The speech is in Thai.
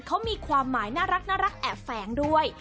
เขามีความหมายน่ารักแอบแฝงด้วย